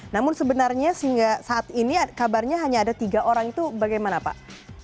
namun sebenarnya sehingga saat ini kabarnya hanya ada tiga orang itu bagaimana pak